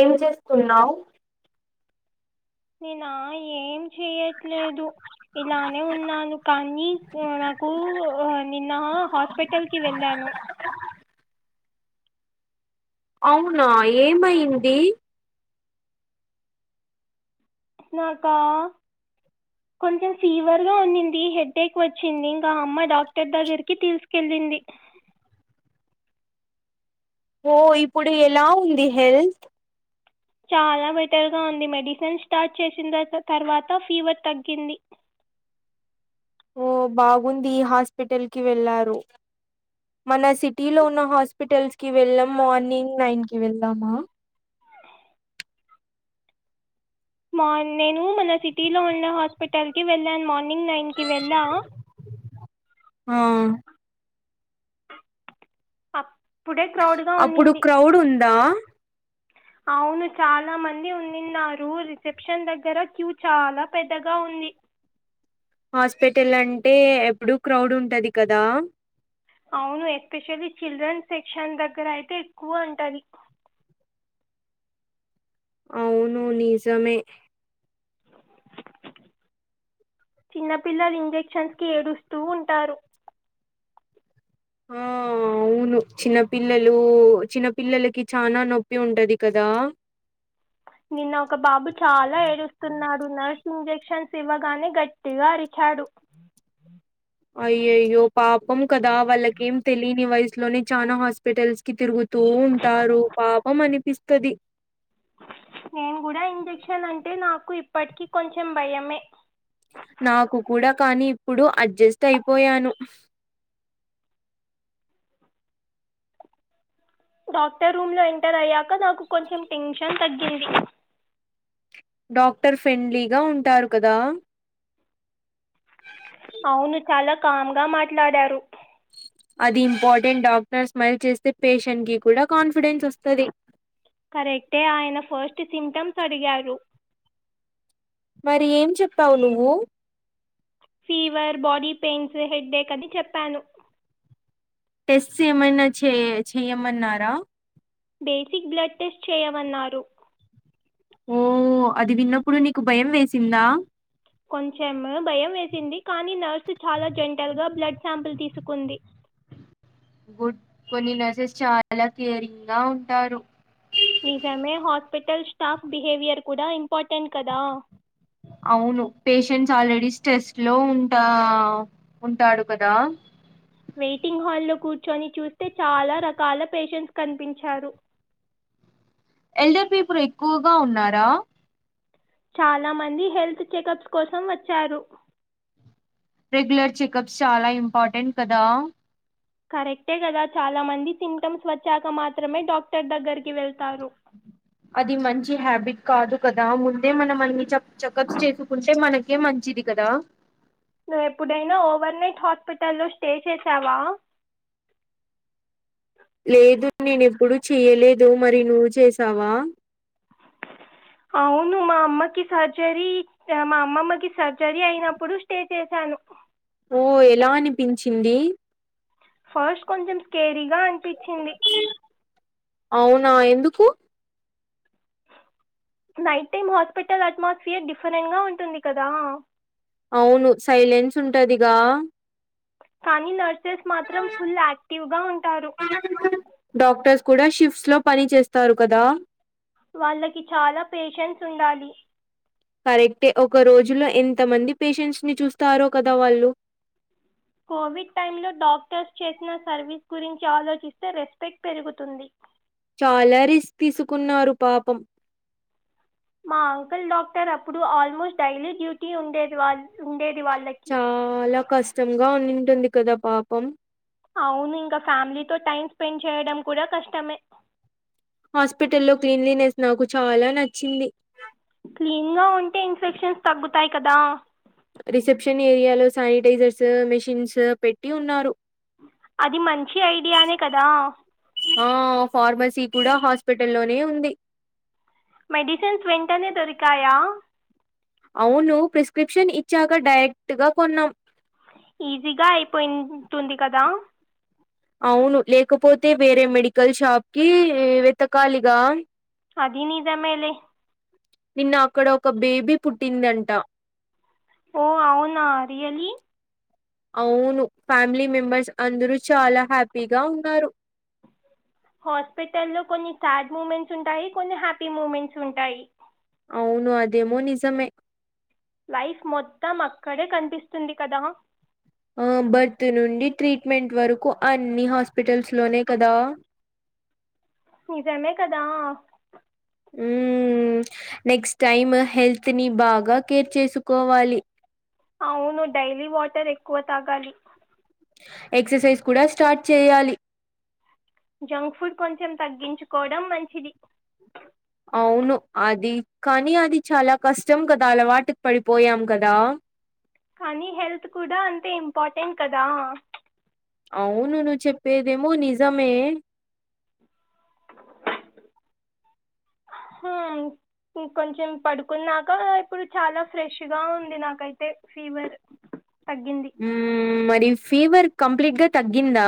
ఏం చేస్తున్నావు నేనా ఏం చెయ్యట్లేదు ఇలానే ఉన్నాను కానీ నాకు నిన్న హాస్పిటల్ కి వెళ్ళాను అవునా ఏమయింది నాకా కొంచెం ఫీవర్ గా ఉన్నింది హెడ్ఎక్ వచ్చింది ఇంకా అమ్మ డాక్టర్ దగ్గరికి తీసుకెళ్ళింది ఓ ఇప్పుడు ఎలా ఉంది హెల్త్ చాలా బెటర్ గా ఉంది మెడిసిన్ స్టార్ట్ చేసిన తర్వాత ఫీవర్ తగ్గింది ఓ బాగుంది హాస్పిటల్ కి వెళ్ళారు మన సిటీ లో ఉన్న హాస్పిటల్స్ కి వెళ్ళం మార్నింగ్ నైన్ కి వెళ్దామా మా నేను మన సిటీ లో ఉన్న హాస్పిటల్ కి వెళ్ళా మార్నింగ్ నైన్ కి వెళ్ళా ఆ అప్పుడే క్రౌడ్ గా అప్పుడు ఉన్నింది క్రౌడ్ వుందా అవును చాలా మంది అన్నిన్నారు రిసెప్షన్ దగ్గర క్యూ చాలా పెద్దగా ఉంది హాస్పిటల్ అంటే ఎప్పుడు క్రౌడ్ ఉంటది కదా అవును ఎస్పెషల్లీ చిల్డ్రన్ సెక్షన్ దగ్గర అయితే ఎక్కువ ఉంటది అవును నిజమే చిన్న పిల్లలు ఇంజక్షన్స్కి ఏడుస్తూ ఉంటారు ఆ అవును చిన్న పిల్లలు చిన్న పిల్లలకి చనా నొప్పి ఉంటది కదా నిన్న ఒక బాబు చాలా ఏడుస్తున్నాడు నర్స్ ఇంజక్షన్స్ ఇవ్వగానే గట్టిగా అరిచాడు అయ్యయ్యో పాపం కదా వాళ్ళకేం తెలియని వయసులోనే చానా హాస్పిటల్స్ కి తిరుగుతూ ఉంటారు పాపం అనిపిస్తది నేను కూడా ఇంజెక్షన్ అంటే నాకు ఇప్పటికి కొంచెం భయమే నాకు కూడా కానీ ఇప్పుడు అడ్జస్ట్ అయిపోయాను డాక్టర్ రూమ్ లో ఎంటర్ అయ్యాక నాకు కొంచెం టెన్షన్ తగ్గింది డాక్టర్ ఫ్రెండ్లీగా ఉంటారు కదా అవును చాలా కామ్ గా మాట్లాడారు అది ఇంపార్టెంట్ డాక్టర్ స్మైల్ చేస్తే పేషెంట్ కి కూడా కాన్ఫిడెన్స్ వస్తది కరెక్టే ఆయన ఫస్ట్ సిమ్టమ్స్ అడిగారు మరి ఏం చెప్పావు నువ్వు fever body pains headache అది చెప్పాను టెస్ట్స్ ఏమైనా చే చెయమన్నారా బేసిక్ బ్లడ్ టెస్ట్ చేయమన్నారు ఓ అది విన్నప్పుడు నీకు భయం వేసిందా కొంచెం భయం వేసింది కానీ నర్సు చాలా జెంటల్ గా బ్లడ్ శాంపుల్ తీసుకుంది గుడ్ కొన్ని నర్సెస్ చాలా కేరింగ్ గా ఉంటారు నిజమే హాస్పిటల్ స్టాఫ్ బిహేవియర్ కూడా ఇంపార్టెంట్ కదా అవును పేషెంట్స్ ఆల్రెడీ స్ట్రెస్ట్ లో ఉంటా ఉంటాడు కదా వెయిటింగ్ హాల్లో కూర్చొని చూస్తే చాలా రకాల పేషెంట్స్ కనిపించారు ఎల్డర్ పీపుల్ ఎక్కువగా ఉన్నారా చాలా మంది హెల్త్ చెకప్స్ కోసం వచ్చారు రెగ్యులర్ చెకప్స్ చాలా ఇంపార్టెంట్ కదా కరెక్టే కదా చాలా మంది సిమ్టమ్స్ వచ్చాక మాత్రమే డాక్టర్ దగ్గరికి వెళ్తారు అది మంచి హ్యాబిట్ కాదు కదా ముందే మనం అన్ని చె చెకప్స్ చేసుకుంటే మన కే మంచిది కదా నువ్ ఎప్పుడైనా ఓవర్ నైట్ హాస్పిటల్లో స్టే చేసావా లేదు నేనేప్పుడు చెయ్యలేదు మరి నువ్వు చేసావా అవును మా అమ్మకి సర్జరీ మా అమ్మమ్మకి సర్జరీ అయినప్పుడు స్టే చేశాను ఓ ఎలా అనిపించింది ఫస్ట్ కొంచెం స్కేరీగా అనిపిచింది అవునా ఎందుకు night time hospital atmosphere different గా ఉంటుంది కదా అవును సైలెన్స్ ఉంటదిగా కానీ నర్సెస్ మాత్రం ఫుల్ యాక్టివ్ గా ఉంటారు డాక్టర్స్ కూడ షిఫ్ట్స్ లో పని చేస్తారు కదా వాళ్ళకి చాలా పేషన్స్ ఉండాలి కరెక్టే ఒక రోజు లో ఎంత మంది పేషెంట్స్ ని చూస్తారో కద వాళ్ళు కోవిడ్ టైం లో డాక్టర్స్ చేసిన సర్వీస్ గురించి ఆలోచిస్తే రెస్పెక్ట్ పెరుగుతుంది చాలా రిస్క్ తీసుకున్నారు పాపం మా అంకుల్ డాక్టర్ అప్పుడు ఆల్మోస్ట్ డైలీ డ్యూటీ ఉండేది వాళ్ చాలా కష్టంగా ఉండింటుంది కదా పాపం అవును ఇంకా ఫ్యామిలీతో టైం స్పెండ్ చేయడం కూడ కష్టమే హాస్పిటల్లో క్లీన్లీనెస్ నాకు చాలా నచ్చింది క్లీన్ గా ఉంటే ఇన్ఫెక్షన్స్ తగ్గుతాయి కదా రిసెప్షన్ ఏరియాలో శానిటైజర్సు మెషిన్సు పెట్టి ఉన్నారు అది మంచి ఐడియానే కదా ఆ ఫార్మసీ కూడా హాస్పిటల్ లోనే ఉంది మెడిసెన్స్ వెంటనే దొరికాయా అవును ప్రిస్క్రిప్షన్ ఇచ్చాక డైరెక్ట్ గా కొన్నాం ఈజీగా అయిపోయిం టుంది కదా అవును లేకపోతే వేరే మెడికల్ షాప్ కీ వెతకాలిగా అదీ నిజమే లే నిన్న అక్కడ ఒక బేబీ పుట్టిందంట ఓ అవునా రియల్లి అవును ఫ్యామిలీ మెంబర్స్ అందరు చాలా హ్యాపీగా ఉన్నారు హాస్పిటల్ లో కొన్ని సాడ్ మూమెంట్స్ ఉంటాయి కొన్ని హ్యాపీ మూమెంట్స్ ఉంటాయి అవును అదేమొ నిజమే లైఫ్ మొత్తం అక్కడే కనిపిస్తుంది కదా ఆ బర్త్ నుండి ట్రిట్మెంట్ వరకు అన్ని హాస్పిటల్స్ లోనే కదా నిజమే కదా మ్ నెక్స్ట్ టైమ్ హెల్త్ ని బాగా కేర్ చేసుకోవాలి అవును డైలీ వాటర్ ఎక్కువ తాగాలి ఎక్ససైస్ కూడా స్టార్ట్ చేయ్యాలి జంక్ ఫుడ్ కొంచెం తగ్గించుకోవడం మంచిది అవును అది కానీ అది చాలా కష్టం కదా అలవాటుకు పడిపోయాం కదా కానీ హెల్త్ కూడా అంతే ఇంపార్టెంట్ కదా అవును నువ్ చెప్పేదేమో నిజమే హా ఇంకొంచెం పడుకున్నాకా ఇప్పుడు చాలా ఫ్రెష్ గా ఉంది నాకైతే ఫీవర్ తగ్గింది మ్ మరి ఫీవర్ కంప్లీట్ గా తగ్గిందా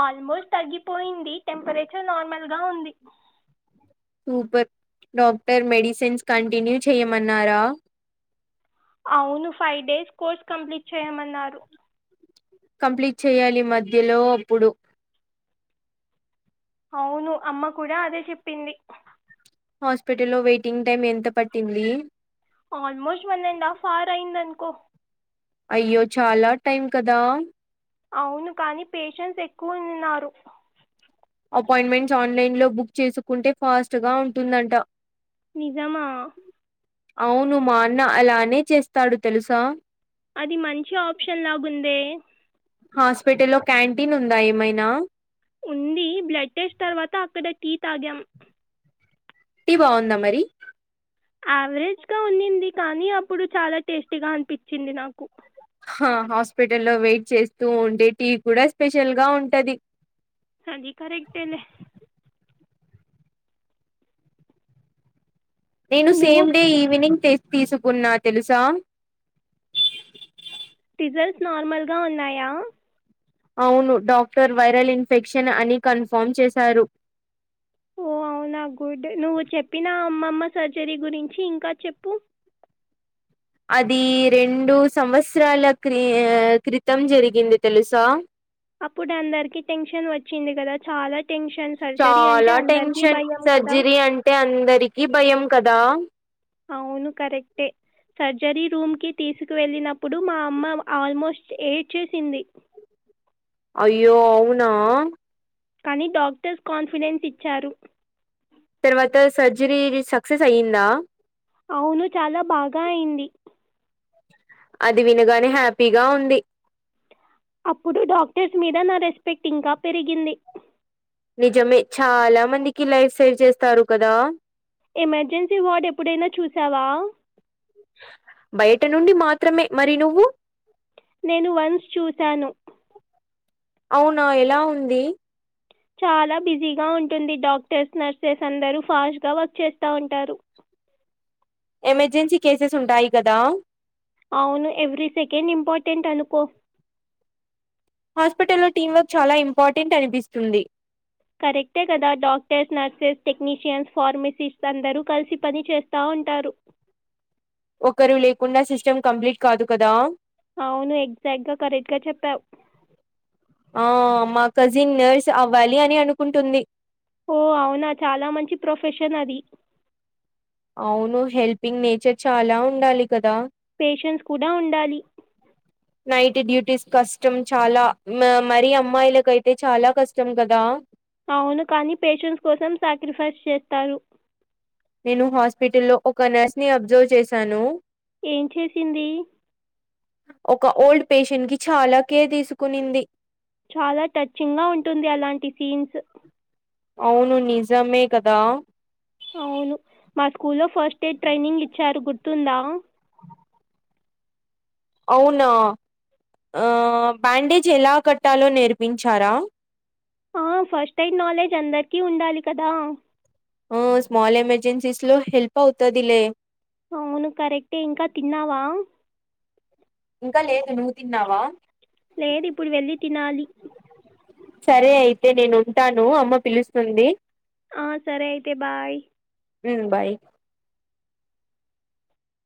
ఆల్మోస్ట్ తగ్గిపోయింది టెంపరేచర్ నార్మల్ గా ఉంది సూపర్ డాక్టర్ మెడిసిన్స్ కంటిన్యు చెయమన్నారా అవును ఫై డేస్ కోర్స్ కంప్లీట్ చేయమన్నారు కంప్లీట్ చెయాలి మధ్యలో అప్పుడు అవును అమ్మ కూడా అదే చెప్పింది హాస్పిటల్ లో వెయిటింగ్ టైం ఎంత పట్టిందీ almost one and half hour అయింది అన్కో అయ్యో చాలా టైం కదా అవును కాని పేషన్స్ ఎక్కువ ఉన్నారు అపాయింట్మెంట్స్ ఆన్లైన్ లో బుక్ చేసుకుంటే ఫాస్ట్ గా ఉంటుందంట నిజమా అవును మా అన్న అలానే చేస్తాడు తెలుసా అది మంచి ఆప్షన్ లాగుందే హాస్పిటల్ లో క్యాంటీన్ ఉందా ఏమైనా ఉంది బ్లడ్ టెస్ట్ తర్వాత అక్కడ టీ తాగాం టి బావుందా మరి యావరేజ్ గా ఉన్నింది కానీ అప్పుడు చాలా టేస్టీగా అనిపిచింది నాకు హ హాస్పిటల్ లో వెయిట్ చేస్తూ ఉంటే టీ కూడా స్పెషల్ గా ఉంటది అదీ కరెక్టే లే నేను నువ్వు సేమ్ డే ఈవినింగ్ తె తీసుకున్నా తెలుసా టిజల్స్ నార్మల్ గా ఉన్నాయా అవును డాక్టర్ వైరల్ ఇన్ఫెక్షన్ అని కన్ఫర్మ్ చేసారు ఓ అవునా గుడ్ నువ్వు చెప్పినా అమ్మమ్మ సర్జరీ గురించి ఇంకా చెప్పు అదీ రెండూ సంవత్సరాల క్రి క్రితం జరిగింది తెలుసా అప్పుడు అందరికి టెన్షన్ వచ్చింది కదా చాలా టెన్షన్ సర్జరీ అంటే అందరికిీ భయం కదా టె అందరికీ భయం కదా అవును కరెక్టే సర్జరీ రూమ్కి తీసుకు వెళ్ళినప్పుడు మా అమ్మ ఆల్మోస్ట్ ఏడ్ చేసింది అయ్యో అవునా కని డాక్టర్స్ కాన్ఫిడెన్స్ ఇచ్చారు తర్వాత సర్జరీ సక్సెస్ అయ్యిందా అవును చాలా బాగా అయింది అది వినగానే హ్యాపీగా ఉంది. అప్పుడు డాక్టర్స్ మీద నా రెస్పెక్ట్ ఇంకా పెరిగింది నిజమే చాలా మందికి లైఫ్ సేవ్ చేస్తారు. కదా ఎమర్జెన్సీ వార్డ్ ఎప్పుడైన చూసావా బయట నుండి మాత్రమే మరి నువ్వు నేను వన్స్ చూసాను అవునా ఎలా ఉంది. చాలా బిజీగా ఉంటుంది. డాక్టర్స్ నర్సెస్ అందరు ఫాస్ట్ గా వర్క్ చేస్తా ఉంటారు ఎమర్జెన్సీ కేసెస్ ఉంటాయి. కదా అవును ఎవ్రీ సెకెండ్ ఇంపార్టెంట్ అనుకో హాస్పిటల్ లో టీమ్ వర్క్ చాలా ఇంపార్టెంట్ అనిపిస్తుంది. కరెక్టే కదా డాక్టర్స్ నర్సెస్ టెక్నీషియన్స్ ఫార్మసిస్ట్స్ అందరు కలిసి పని చేస్ తా ఉంటారు ఒకరు లేకుండా సిస్టమ్ కంప్లీట్ కాదు కదా అవును ఎగ్జాక్ట్ గా కరెక్ట్ గా చెప్పావు ఆ మా కజిన్ నర్స్ అవ్వాలి. అని అనుకుంటుంది ఓ అవునా చాలా మంచి ప్రొఫెషన్ అది అవును. హెల్పింగ్ నేచర్ చాలా ఉండాలి. కదా పేషన్స్ కూడా ఉండాలి. నైట్ డ్యూటీస్ కష్టం చాలా మ మరి అమ్మాయిలకైతే చాలా కష్టం కదా అవును కాని పేషెన్స్ కోసం సాక్రిఫైస్ చేస్తారు. నేను హాస్పిటల్ లో ఒక నర్స్ ని అబ్జర్వ్ చేశాను. ఏం చేసింది. ఒక ఓల్డ్ పేషెంట్ కి చాలా కేర్ తీసుకునింది. చాలా టచింగ్ గా ఉంటుంది. అలాంటి సీన్స్ అవును నిజమే కదా అవును మా స్కూల్ లో ఫస్ట్ ఎయిడ్ ట్రైనింగ్ ఇచ్చారు గుర్తుందా అవునా బ్యాండేజ్ ఎలా కట్టాలో నేర్పించారా ఆ ఫస్ట్ ఎయిడ్ నాలెడ్జ్ అందరికి ఉండాలి. కదా ఆ స్మల్ ఎమర్జెన్సీస్ లో హెల్ప్ అవుతదిలే అవును కరెక్టే ఇంకా తిన్నావా ఇంకా లేదు నువ్వు తిన్నావా లేదు ఇప్పుడు వెళ్ళి తినాలి. సరే అయితే నేను ఉంటాను అమ్మ పిలుస్తుంది ఆ సరే అయితే బాయ్ హ్ బాయ్